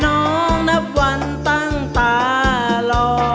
น้องนับวันตั้งตาล่อ